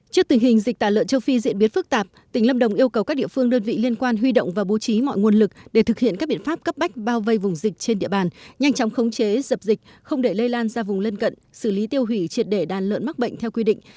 trước tình hình dịch tả lợn châu phi diễn biến phức tạp tỉnh lâm đồng yêu cầu các địa phương đơn vị liên quan huy động và bố trí mọi nguồn lực để thực hiện các biện pháp cấp bách bao vây vùng dịch trên địa bàn nhanh chóng khống chế dập dịch không để lây lan ra vùng lân cận xử lý tiêu hủy triệt để đàn lợn mắc bệnh theo quy định